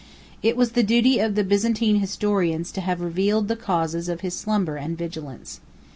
It was the duty of the Byzantine historians to have revealed the causes of his slumber and vigilance.